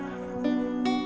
tidak ada apa apa